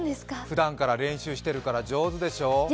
ふだんから練習してから上手でしょう。